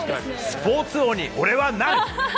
スポーツ王に俺はなる。